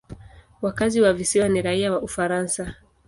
Wakazi wa visiwa ni raia wa Ufaransa.